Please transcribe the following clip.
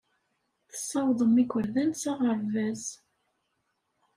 Tessawḍem igerdan s aɣerbaz.